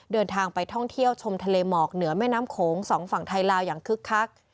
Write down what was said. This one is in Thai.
เดินทางไปท่องเที่ยวชมทะเลหมอกเหนือแม่น้ำโขงสองฝั่งไทยลาวอย่างคึกคัก